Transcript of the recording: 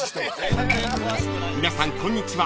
［皆さんこんにちは